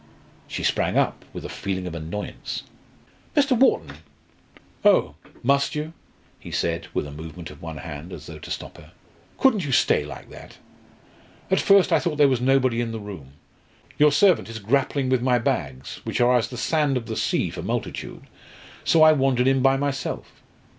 She sprang up with a feeling of annoyance. "Mr. Wharton!" "Oh! must you?" he said, with a movement of one hand, as though to stop her. "Couldn't you stay like that? At first I thought there was nobody in the room. Your servant is grappling with my bags, which are as the sand of the sea for multitude, so I wandered in by myself.